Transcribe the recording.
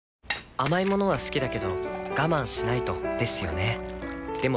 甘い物は好きだけど我慢しないとですよね